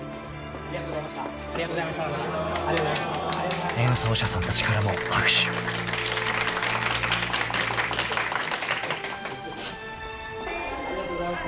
ありがとうございます。